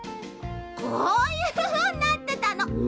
こういうふうになってたの。